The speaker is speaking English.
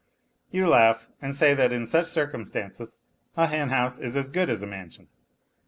You laugh and say that in such circumstances a hen house is as good as a mansion.